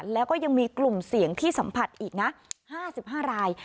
แล้วก็ยังมีกลุ่มเสี่ยงที่สัมผัสอีกนะ๕๕ราย